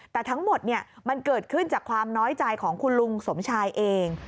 แต่ทั้งหมดมันเกิดขึ้นจากความน้อยใจของคุณลุงสมชายเอง